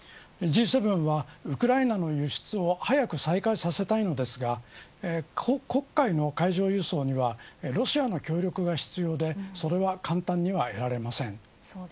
Ｇ７はウクライナの輸出を早く再開させたいのですが黒海の海上輸送にはロシアの協力が必要でそれは簡単には得られません。